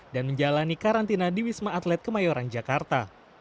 dan menjalani karantina di wisma atlet ke mayoran jakarta